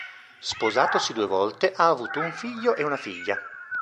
Sposatosi due volte, ha avuto un figlio e una figlia.